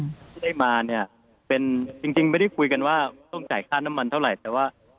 ที่ได้มาเนี่ยเป็นจริงไม่ได้คุยกันว่าต้องจ่ายค่าน้ำมันเท่าไหร่แต่ว่า